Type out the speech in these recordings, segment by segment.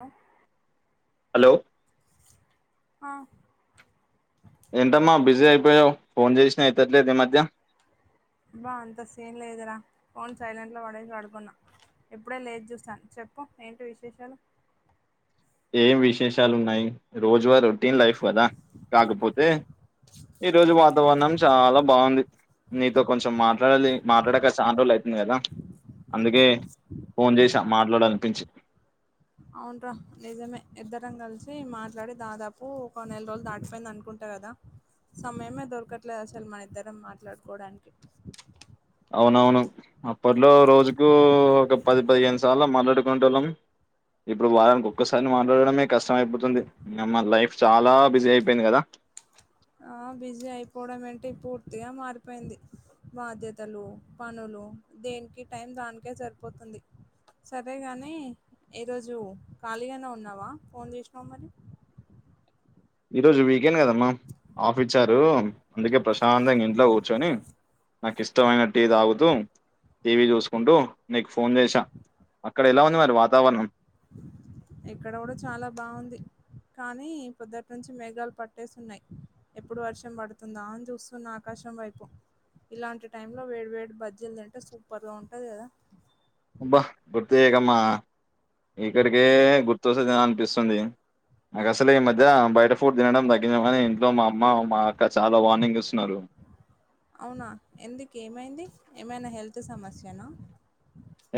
ఆ హలో ఆ ఏంటమ్మా బిజీ అయిపోయావ్ ఫోన్ చేసినా ఎత్తట్లేదు ఈ మధ్య బా అంత సీన్ లేదురా ఫోన్ సైలెంట్ లో పడేసి పడుకున్నా ఇప్పుడే లేచి చూస్నా చెప్పు ఏంటి విశేషాలు ఏం విశేషాలు ఉన్నాయి రోజువ రొటీన్ లైఫ్ కదా కాకపోతే ఈ రోజు వాతావరణం చాలా బాగుంది నీతో కొంచెం మాట్లాడాలి మాట్లాడక చానా రోజులు అయితుంది కదా అందుకే ఫోన్ చేసా మాట్లాడాల అనిపించి అవునురా నిజమే ఇద్దరం కలిసి మాట్లాడి దాదాపు ఒక నెల రోజులు దాటిపోయింది అనుకుంట ట కదా సమయమే దొరకట్లేదు అసలు మన ఇద్దరం మాట్లాడుకోవడానికి అవునవును అప్పట్లో రోజుకు ఒక పది పదిహేను సార్లు మట్లాడుకునేటోళ్ళం ఇప్పుడు వారానికి ఒక్కసారి మాట్లాడడమే కష్టం అయిపోతుంది ఇక మన లైఫ్ చాలా బిజీ అయిపోయింది కదా ఆ బిజీ అయిపోవడం ఏంటి పూర్తిగా మారిపోయింది బాధ్యతలు పనులు దేనికి టైం దానికే సరిపోతుంది సరే కానీ ఈరోజు ఖాళీగానే ఉన్నావా ఫోన్ చేసినావు మరి ఈ రోజు వీకెండ్ కదమ్మా ఆఫ్ ఇచ్చారు అందుకే ప్రశాంతంగా ఇంట్లో కూర్చొని నాకు ఇష్టమైన టీ తాగుతూ టీవీ చూసుకుంటూ నీకు ఫోన్ చేసా అక్కడ ఎలా ఉంది మరి వాతావరణం ఇక్కడ కూడ చాలా బావుంది కానీ పొద్దటి నుంచి మేఘాలు పట్టేసి ఉన్నాయి ఎప్పుడు వర్షం పడుతుందా అని చూస్తున్న ఆకాశం వైపు ఇలాంటి టైమ్ లో వేడి వేడి బజ్జీలు తింటే సూపర్ గా ఉంటది కదా అబ్బా గుర్తుచెయకమ్మా ఇక్కడికే గుర్తొస్తే తినాలి అనిపిస్తుంది నాకు అసలే ఈ మధ్య బయట ఫుడ్ తినడం తగ్గియమని ఇంట్లో మా అమ్మ మా అక్క చాలా వార్నింగ్ ఇస్తున్నారు అవునా ఎందుకు ఏమైంది ఏమైనా హెల్త్ సమస్యనా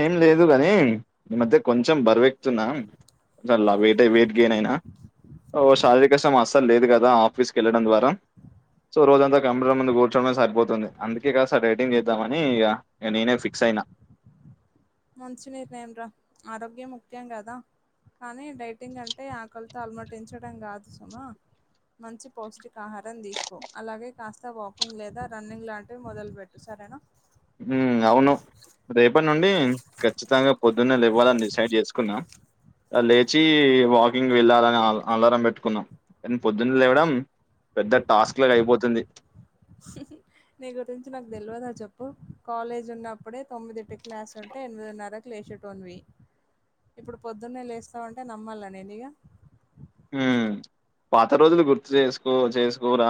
ఏం లేదు గాని ఈ మధ్య కొంచెం బరువెక్తున్నా చాల వెయిటై వెయిట్ గెయిన్ అయినా ఓ శారీరక శ్రమ అస్సలు లేదు కదా ఆఫీస్ కి వెళ్ళడం ద్వారా సో రోజంతా కంప్యూటర్ ముందు కూర్చోవడమె సరిపోతుంది అందుకే కాస్త డైటింగ్ చేద్దామని ఇగ ఇగ నేనే ఫిక్స్ అయిన మంచి నిర్ణయం రా ఆరోగ్యం ముఖ్యం కదా కానీ డైటింగ్ అంటే ఆకలితో అల్మటించడం కాదు సుమా మంచి పౌష్టిక ఆహారం తీసుకో అలాగే కాస్త వాక్ వాకింగ్ లేదా రన్నింగ్ లాంటివి మొదలు పెట్టు సరేనా ఉం అవును రేపటి నుండి ఖచ్చితంగా పొద్దున్నే లెవ్వాలని డిసైడ్ చేసుకున్న అ లేచి వాకింగ్ వెళ్ళాలని ఆ అలారం పెట్టుకున్న కానీ పొద్దున్న లేవడం పెద్ద టాస్క్ లాగా అయిపోతుంది హ హ నీ గురించి నాకు తెలువదా చెప్పు కాలేజ్ ఉన్నప్పుడే తొమ్మిదింటికి లెసడు అంటే ఎనిమిదిన్నరకు లేచేటోనివి ఇప్పుడు పొద్దున్నే లేస్తావు అంటే నమ్మాల నేనిగా ఉం పాత రోజులు గుర్తు చేసుకో చేసుకోరా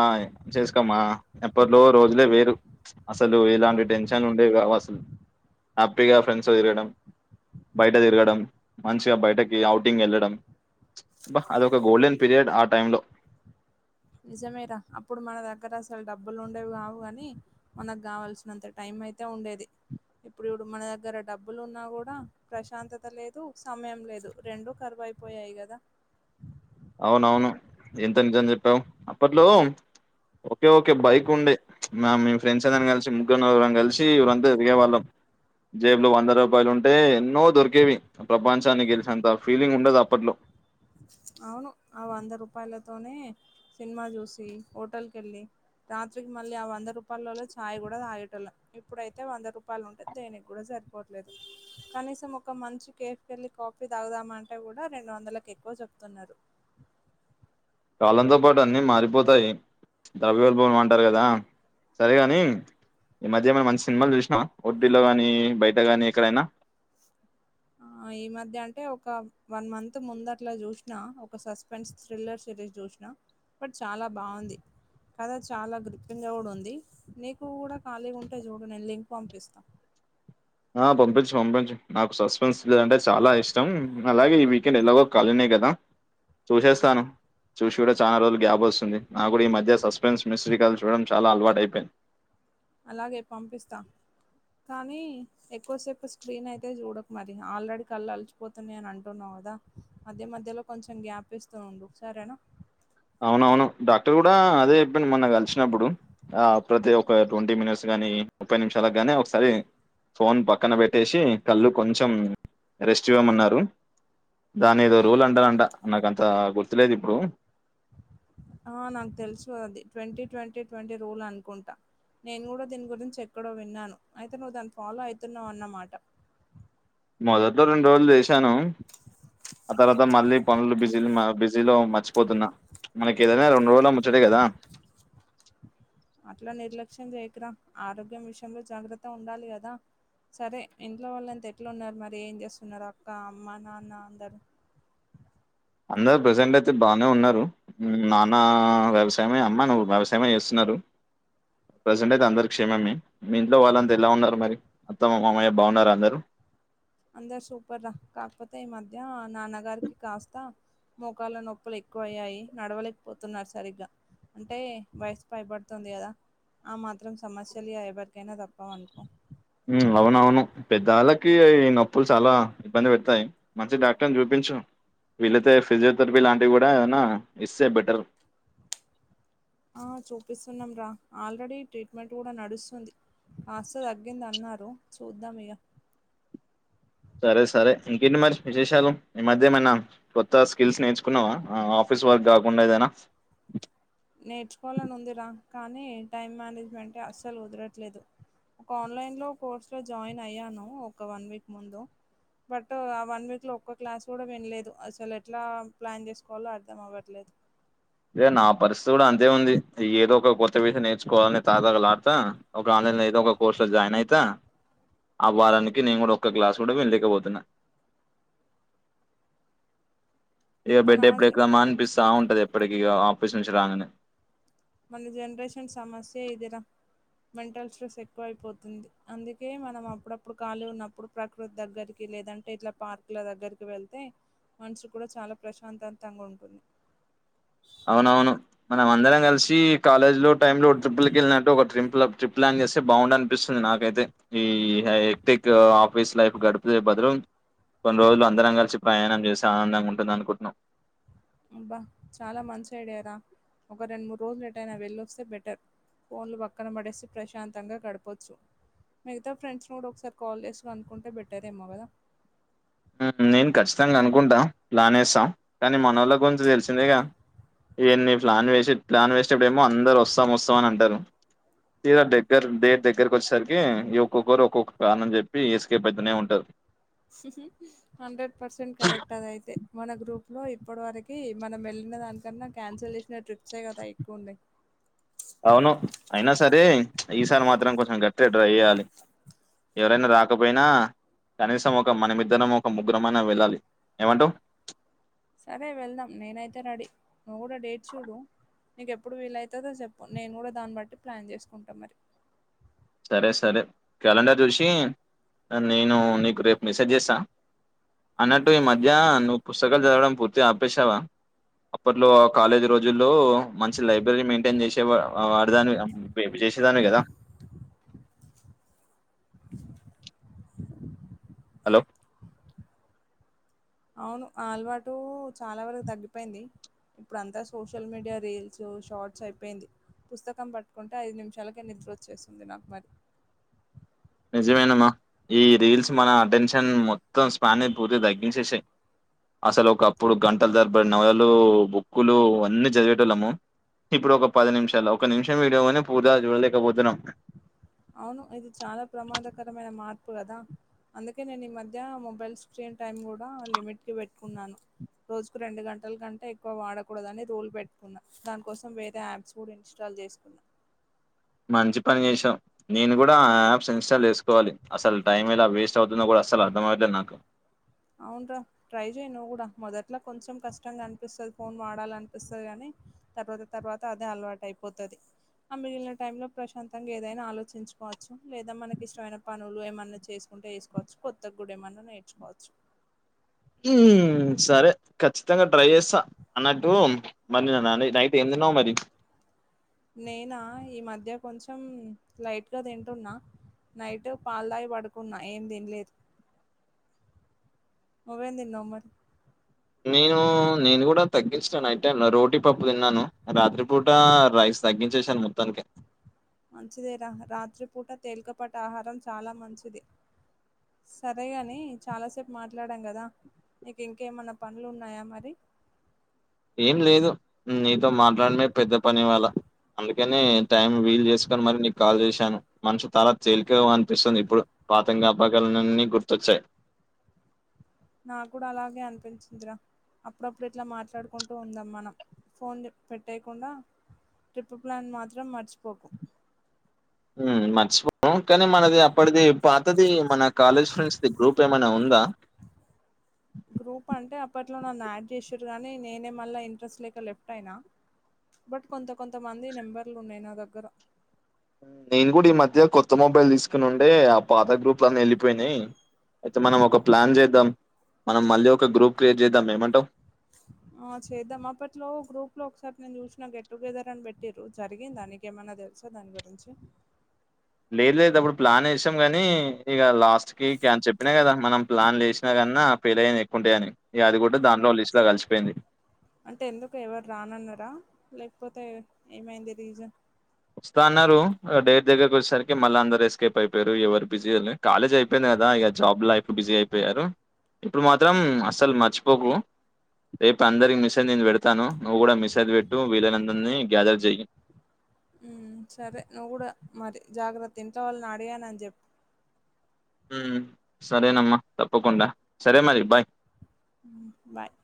చేసుకోమా ఎప్పట్లో రోజులే వేరు అసలు ఇలాంటి టెన్షన్లు ఉండేవి కావు అసలు హ్యాపీగా ఫ్రెండ్స్ తో తిరగడం బయట తిరగడం మంచిగా బయటకి ఔటింగ్ వెళ్ళడం అది ఒక గోల్డెన్ పీరియడ్ ఆ టైమ్ లో నిజమే రా అప్పుడు మన దగ్గర అసలు డబ్బులు ఉండేవి కావు కాని మనకు కావాల్సినంత టైం అయితే ఉండేది ఇప్పుడు చూడు మన దగ్గర డబ్బులు ఉన్నా కూడా ప్రశాంతత లేదు సమయం లేదు రెండు కరువయిపో పోయాయి కదా అవునవును ఎంత నిజం చెప్పావు అప్పట్లో ఓకే ఓక బైక్ ఉండే మా మీ ఫ్రెండ్స్ అందరినీ కలిసి ముగ్గురు నలగరం కలిసి ఊరంతా తిరిగేవాళ్లం జేబులో వంద రూపాయలు ఉంటే ఎన్నో దొరికేవి ప్రపంచాని గేలిసినంత ఫీలింగ్ ఉండే ది అప్పట్లో అవును ఆ వంద రూపాయలతోనే సినిమా చూసి హోటల్కి వెళ్ళి రాత్రికి మళ్ళీ ఆ వంద రూపాయలలో చాయ్ కూడా తాగేటళం ఇప్పుడైతే వంద రూపాయలు ఉంటేంది దేనికి కూడా సరి పోట్లేదు కనీసం ఒక మంచి కేఫ్ కెళ్లి కాఫీ తాగుదాం అంటే కూడా రెండు వందల కేక్ ఎక్కువ చెప్తున్నారు కాలంతో పాటు అన్ని మారిపోతాయి ద్రవ్యోల్బణం అంటారు కదా సరేగాని ఈ మధ్య మేము మంచి సినిమాలు చూసినా ఓటిటీ లో గానీ బయటగానీ ఎక్కడైనా ఆ ఈ మధ్య అంటే ఒక వన్ మంత్ ముంద అట్లా చూసినా ఒక సస్పె సస్పెన్స్ థ్రిల్లర్ సిరీస్ చూసినా బట్ చాలా బాగుంది కద చాలా గృత్యంగా కూడా ఉంది నీకు కూడా ఖాళీగా ఉంటే చూడు నేను లింక్ పంపిస్తా ఆ పంపించు పంపించు నాకు సస్పెన్స్ థ్రిల్లర్ అంటే చాలా ఇష్టం అలాగే ఈ వీకెండ్ ఎలాగో ఖాళీనే కదా చూసేస్తాను చూసి కూడా చాలా రోజులు గ్యాప్ వస్తుంది నాకు కూడా ఈ మధ్య సస్పెన్స్ మిసకాలు [unintelligible] చూడడం చాలా అలవాటు అయిపోయింది అలాగే పంపిస్తా కానీ ఎక్కువసేపు స్క్రీన్ అయితే చూడకు మరి ఆల్రెడీ కళ్ళు అలచిపోతున్నాయి అని అంటున్నావు కదా మధ్య మధ్యలో కొంచెం గ్యాప్ ఇస్తూ ఉండు సరేనా అవునవును డాక్టర్ కూడా అదే చెప్పిండు మొన్న కలిసినప్పుడు ఆ ప్రతి ఒక ట్వంటీ మినిట్స్ గాని ముప్పై నిమిషాలకు గాని ఒకసారి ఫోన్ పక్కన పెట్టేసి కళ్ళు కొంచెం రెస్ట్ ఇయ్వమన్నారు దాన్నేదో రూల్ అంటారంట నాకంత గుర్తులేదు ఇప్పుడు ఆ నాకు తెలుసు అది ట్వంటీ ట్వంటీ ట్వంటీ రూల్ అనుకుంటా నేను కూడా దీని గురించి ఎక్కడో విన్నాను అయితే నువ్వు దాని ఫాలో అయితున్నావు అన్నమాట మొదట్లో రెండు రోజులు చేసాను ఆ తర్వాత మళ్ళీ పనులు బిజీలు మల్ల బి జీలో మర్చిపోతున్నా మనకి ఏదైనా రెండు రోజుల ముచ్చటే కదా అట్లా నిర్లక్ష్యం చెయ్యకురా ఆరోగ్యం విషయంలో జాగ్రత్త ఉండాలి కదా సరే ఇంట్లో వాళ్లంతా ఎట్లున్నారు మరి ఏం చేస్తున్నారు అక్క అమ్మ నాన్న అందరు అందరు ప్రజెంట్ అయితే బానే ఉన్నారు ఉమ్మ్ నాన్న వ్యవసాయమే అమ్మాను వ్యవసాయమే చేస్తున్నారు ప్రజెంట్ అయితే అందరూ క్షేమమే మీ ఇంట్లో వాళ్ళంతా ఎలా ఉన్నారు మరి అత్తమ్మ మామయ్య బాగున్నారా అందరూ అందరు సూపర్ రా కాకపోతే ఈ మధ్య నాన్నగారికి కాస్తా మోకాల్లనొప్పులు ఎక్కువ అయ్యాయి నడవలేకపోతున్నారు సరిగ్గా అంటే వయసు పై పడుతుంది కదా ఆ మాత్రం సమస్యలు య ఎవరికైనా తప్పవనుకో ఉమ్మ్ అవునవును పెద్దవాళ్ళకి ఈ నొప్పులు చాలా ఇబ్బంది పెడతాయి మంచి డాక్టర్ని చూపించు వీళ్లైతే ఫిజియోథెరపీ లాంటివి కూడా ఏదన్న ఇస్తే బెటర్ ఆ చూపిస్తున్నాం రా ఆల్రెడీ ట్రీట్మెంట్ కూడా నడుస్తుంది కాస్త తగ్గింది అన్నారు చూద్దాం ఇగ సరే సరే ఇంకేంటి మరి విశేషాలు ఈ మధ్య ఏమైనా కొత్త స్కిల్స్ నేర్చుకున్నావా ఆ ఆఫీస్ వర్క్ కాకుండా ఏదైనా నేర్చుకోవాలని ఉందిరా కానీ టైం మేనేజ్మెంటే అస్సలు కుదరట్లేదు ఒక ఆన్లైన్లో కోర్సు‌లో జాయిన్ అయ్యాను ఒక వన్ వీక్ ముందు బట్ ఆ వన్ వీక్‌లో ఒక్క క్లాస్ కూడా విన్లేదు అసలు ఎట్లా ప్లాన్ చేసుకోవాలో అర్థం అవ్వట్లేదు ఇగ నా పరిస్థితి కూడా అంతే ఉంది ఏదో ఒక కొత్త విష నేర్చుకోవాలని తగతగాలాడుతా ఒక ఆన్లైన్లో ఏదో ఒక కోర్స్‌లో జాయిన్ అయితా ఆ వారానికి నేను కూడా ఒక్క క్లాస్ కూడా విన్లేకపోతున్న ఇగ మన బెడ్ ఎప్పుడు జ- ఎక్కుదామా అనిపిస్తా ఉంటది ఎప్పటికిీ ఇగ ఆఫీస్ నుంచి రాంగానే మన జనరేషన్ సమస్యే ఇది రా మెంటల్ స్ట్రెస్ ఎక్కువైపోతుంది అందుకే మనం అప్పుడప్పుడు ఖాళీ ఉన్నప్పుడు ప్రకృతి దగ్గరికి లేదంటే ఇట్లా పార్క్‌లా దగ్గరికి వెళ్తే మనసు కూడా చాలా ప్రశాంతతాంగా ఉంటుంది అవునవును మనం అందరం కలిసి కాలేజ్‌‌లో టైంలో ట్రిప్పులకి ఎళ్లిన టు ఒక ట్రింప్ల ట్రిప్ ప్లాన్ చేస్తే బాగుండు అనిపిస్తుంది నాకైతే ఈ హైటెక్ ఆఫీసు లైఫ్ గడిపే బదులు కొన్ని రోజులు అందరం కలిసి ప్రయాణం చేస్తే ఆనందంగా ఉంటుంది అనుకుంటున్న అబ్బా చాలా మంచి ఐడియారా ఒక రెండు మూడు రోజులు ఎటైనా వెళ్ళొస్తే బెటర్ ఫోన్లు పక్కన పడేసి ప్రశాంతంగా గడపొచ్చు మిగతా ఫ్రెండ్స్‌ని కూడా ఒకసారి కాల్ చేసి కనుక్కుంటే బెటరేమో కదా ఉమ్మ్ నేను ఖచ్చితంగా అనుకుంటా ప్లాన్ ఎస్తా కానీ మనోళ్ళ గురించి తెలిసిందేగా ఇయన్నీ ప్లాన్ వేసి ప్లాన్ వేసేటప్పుడేమో అందరు వస్తాం వస్తామని అంటారు తీరా దగ్గర డేట్ దగ్గరకి వచ్చేరికి ఈ ఒక్కొక్కరు ఒక్కొక్కరు కారణం చెప్పి ఎస్కేప్ అయితనే ఉంటారు హండ్రెడ్ పర్సెంట్ కరెక్ట్ అదయితే మన గ్రూప్లో ఇప్పటి వరకి మనం వెళ్ళిన దాని కన్నా క్యాన్సల్ చేసిన ట్రిప్సే కదా ఎక్కువ ఉన్నాయి అవును అయినా సరే ఈసారి మాత్రం కొంచెం గట్టిగా ట్రై చేయ్యాలి ఎవరైనా రాకపోయినా కనీసం ఒక మనమిద్దరం ఒక ముగ్గురమైన వెళ్ళాలి ఏమంటవ్ సరే వెళ్దాం నేనైతే రడీ నువ్వు కూడా డేట్ చూడు నీకెప్పుడు వీలయితదో చెప్పు నేను కూడా దాన్ని బట్టి ప్లాన్ చేసుకుంటా మరి సరే సరే క్యాలెండర్ చూసి నేను నీకు రేపు మెసేజ్ చేస్తా అన్నట్టు ఈ మధ్య నువ్వు పుస్తకాలు చదవడం పూర్తిగ ఆపేసావా అప్పట్లో కాలేజీ రోజుల్లో మంచి లైబ్రరీ మెయింటైన్ చేసే వాడదానివి అ వేపు చేసేదానివి కదా హలో అవును ఆ అలవాటు చాలా వరకు తగ్గిపోయింది ఇప్పుడు అంతా సోషల్ మీడియా రీల్స్ షార్ట్స్ అయిపోయింది పుస్తకం పట్టుకుంటే ఐదు నిమిషాలకే నిద్ర వచ్చేస్తుంది నాకు మరి నిజమేనమ్మా ఈ రీల్స్ మన టెన్షన్ మొత్తం స్పానే పూర్తిగ తగ్గించేసాయ్ అసలు ఒక అప్పుడు గంటలు తరబడి నవలలు బుక్కులు అన్నీ చదివేటోళ్ళము ఇప్పుడు ఒక పది నిమిషాల్లో ఒక నిమిషం వీడియో గాని పూర్తిగా చూడలేకపోతున్నాం అవును ఇది చాలా ప్రమాదకరమైన మార్పు కదా అందుకే నేను ఈ మధ్య మొబైల్ స్క్రీన్ టైమ్ కూడా లిమిట్కి పెట్టుకున్నాను రోజుకు రెండు గంటల కంటే ఎక్కువ వాడకూడదని రూల్ పెట్టుకున్నా దాని కోసం వేరే యాప్స్ ఇన్స్టాల్ చేసుకున్నా మంచి పని చేసావ్ నేను కూడా ఆ యాప్స్ ఇన్స్టాల్ చేసుకోవాలి అసలు టైం ఎలా వేస్ట్ అవుతుందో కూడా అసలు అర్థమవుతది నాక్ అవున్రా ట్రై చేయ్ నువ్వు కూడా మొదట్లో కొంచెం కష్టంగా అనిపిస్తది ఫోన్ వాడాలనిపిస్తది కానీ తర్వాత తర్వాత అదే అలవాటయిపోతది ఆ మిగిలిన టైం లో ప్రశాంతంగా ఏదైనా ఆలోచించుకోవచ్చు లేదా మనకి ఇష్టమైన పనులు ఏమన్నా చేసు ఉంటే ఎసుకోవచ్చు కొత్తగుడేమనున్నా నేర్చుకోవచ్చు ఉమ్ సరే ఖచ్చితంగా ట్రై చేస్తా అన్నట్టు మరి నిన్న నాని నైట్ ఏం తిన్నావ్ మరి నేనా ఈ మధ్య కొంచెం లైట్గా తింటున్నా. నైటు పాల్తాగి పడుకున్నా ఏం తినలేదు. నువ్వేం తిన్నావ్ మరి నేను నేను కూడా తగ్గించిన నైట్ టైంలా రోటీ పప్పు తిన్నాను రాత్రిపూట రైస్ తగ్గించేశాను మొత్తానికే మంచిదేగ రాత్రిపూట తేలికపాటి ఆహారం చాలా మంచిది సరేగాని చాలాసేపు మాట్లాడాం గదా నీకు ఇంకేమన్నా పనులున్నాయా మరి ఏం లేదు నీతో మాట్లాడమే పెద్ద పని ఇవాళ అందుకనే టైం వీలు చేసుకుని మరి నీకు కాల్ చేసాను మన్సు తాలా తేలికగా అనిపిస్తుంది ఇప్పుడు. పాత జ్ఞాపకాలన్నీ గుర్తొచ్చాయి. నా కూడా అలాగే అనిపించిందిరా అప్పుడప్పుడు ఇట్లా మాట్లాడుకుంటూ ఉందం మనం ఫోన్ జే పెట్టేయకుండా ట్రిప్పు ప్లాన్ మాత్రం మర్చిపోకు ఉమ్ మర్చిపోను కానీ మనది అప్పటిది పాతది మన కాలేజ్ ఫ్రెండ్స్ది గ్రూప్ ఏమైనా ఉందా గ్రూప్ అంటే అప్పట్లో నన్ను యాడ్ చేసిర్రు గానీ నేనే మళ్ళ ఇంట్రెస్ట్ లేక లెఫ్ట్ అయినా బట్ కొంత కొంత మంది నెంబర్లు ఉన్నయి నా దగ్గర నేను కూడ ఈ మధ్య కొత్త మొబైల్ తీస్కునుండే ఆ పాత గ్రూప్లన్నీ ఎళ్ళిపోయినయి అయితే మనం ఒక ప్లాన్ చేద్దాం మనం మళ్ళీ ఒక గ్రూప్ క్రియేట్ చేద్దాం ఏమంటవ్ ఆ చేద్దాం అప్పట్లో గ్రూప్లో ఒకసారి నేను చూసినా గెట్ టుగెదర్ అని పెట్టిర్రు జరిగిందా నీ కేమన్న తెలుసా దాని గురించి లేదు లేదు అప్పుడు ప్లాన్ ఏసాం గానీ ఇగ లాస్ట్కి క్యాన్ చెప్పిన కదా మనం ప్లాన్ లేశినా గన్నా ఫెయిల్ అయినయి ఎక్కువుంటయని ఇగ అది కూడ ఉమ్. దాంట్లో లిస్ట్లో కలిశిపోయింది అంటే ఎందుకు ఎవరు రానన్నరా లేకపోతే ఏమైంది రీజన్ వస్తా అన్నరు డేట్ దగ్గరకి ఒచ్చేసరికి మల్ల అందరు ఎస్కేప్ అయిపోయిర్రు ఎవరు బిజీ అల్లే కాలేజ్ అయిపోయింది కదా ఇగ జాబ్ లైఫ్ బిజీ అయిపోయారు ఇప్పుడు మాత్రం ఉ అసలు మర్చి పోకు రేపు అందరి మె సేజ్ నేను పెడతాను నువ్వు కూడ మెసేజ్ పెట్టు వీలైనందరిని గ్యాదర్ చెయ్ ఉమ్ సరే నువ్వు కూడ మరి జాగ్రత్త ఇంట్లో వాళ్ళని అడిగానని చెప్ ఉమ్ సరేనమ్మ తప్పకుండ సరే మరి బాయ్ ఉమ్ బాయ్